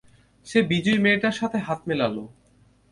সে বিজয়ী মেয়েটার সাথে হাত মেলালো।